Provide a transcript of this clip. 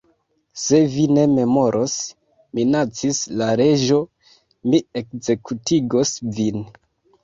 "Se vi ne memoros," minacis la Reĝo, "mi ekzekutigos vin."